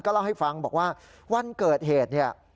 เล่าให้ฟังบอกว่าวันเกิดเหตุเนี่ย